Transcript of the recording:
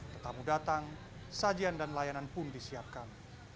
ketamu datang sajian dan layanan pun disiapkan